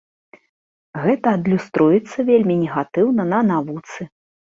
Гэта адлюструецца вельмі негатыўна на навуцы.